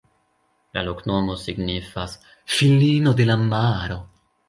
La loknomo signifas: filino de la maro.